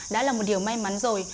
đã là một điều may mắn rồi